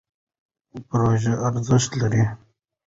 پروژه ارزښت لري.